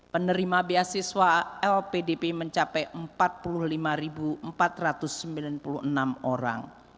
penerima beasiswa lpdp mencapai empat puluh lima empat ratus sembilan puluh enam orang